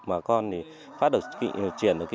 mà con thì phát triển được